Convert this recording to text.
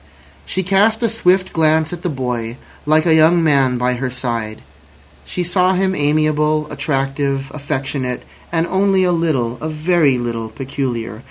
She cast a swift glance at the boy, like a young man, by her side. She saw him amiable, attractive, affectionate, and only a little, a very little, peculiar.